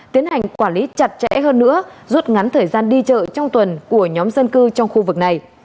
tiến hành quản lý chặt chẽ hơn nữa rút ngắn thời gian đi chợ trong tuần của nhóm dân cư trong khu vực này